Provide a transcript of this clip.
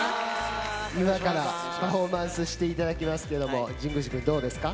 今からパフォーマンスしていただきますが神宮寺君、どうですか？